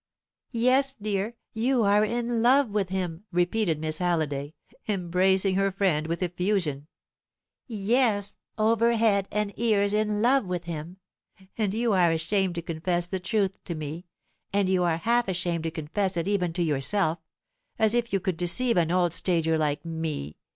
"Yes, dear, you are in love with him," repeated Miss Halliday, embracing her friend with effusion; "yes, over head and ears in love with him. And you are ashamed to confess the truth to me; and you are half ashamed to confess it even to yourself as if you could deceive an old stager like me!"